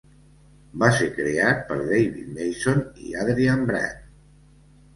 Va ser creat per David Mason i Adrian Brant.